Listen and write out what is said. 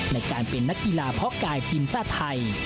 ในการเป็นนักกีฬาเพาะกายทีมชาติไทย